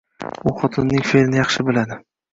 U xotinining fe`lini yaxshi biladi